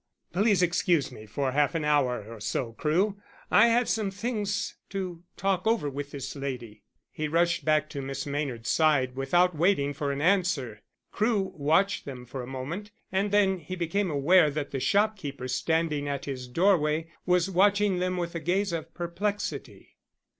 "Please excuse me for half an hour or so, Crewe. I have some things to talk over with this lady." He rushed back to Miss Maynard's side without waiting for an answer. Crewe watched them for a moment and then he became aware that the shopkeeper standing at his doorway was watching them with a gaze of perplexity.